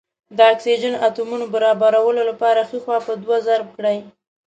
د اکسیجن اتومونو برابرولو لپاره ښۍ خوا په دوه ضرب کړئ.